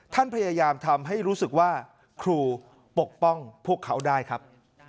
ท่านพยายามทำให้รู้สึกว่าครูปกป้องพวกเขาได้ครับ